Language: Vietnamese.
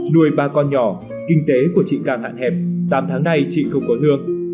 nuôi ba con nhỏ kinh tế của chị càng hạn hẹp tám tháng nay chị không có lương